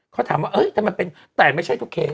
เขาถามว่าเอ๊ะแต่ไม่ใช่ทุกเคส